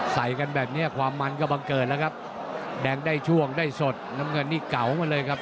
ใส่กันแบบนี้ความมันก็บังเกิดแล้วครับแดงได้ช่วงได้สดน้ำเงินนี่เก่ามาเลยครับ